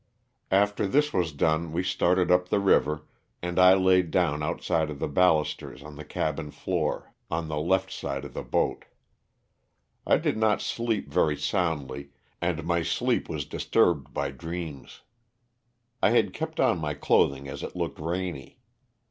After this was done we started up the river and I laid down outside of the balusters on the cabin floor, on the left side of the boat. I did not sleep very soundly and my sleep was disturbed by dreams. I had kept on my clothing as it looked rainy.